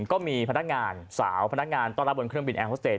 ก็มีพนักงานสาวพนักงานต้อนรับบนเครื่องบินแอร์ฮอสเตจ